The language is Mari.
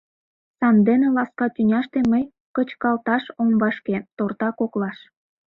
Санден ласка тӱняште Мый кычкалташ ом вашке Торта коклаш.